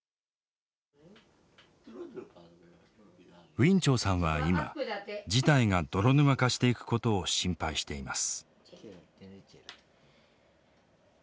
ウィン・チョウさんは今事態が泥沼化していくことを心配しています。